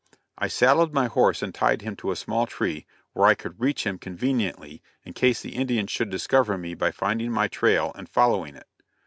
I saddled my horse and tied him to a small tree where I could reach him conveniently in case the Indians should discover me by finding my trail and following it.